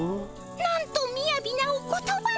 なんとみやびなお言葉。